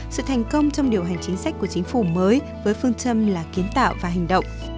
sự thành công trong điều hành chính sách của chính phủ mới với phương châm là kiến tạo và hành động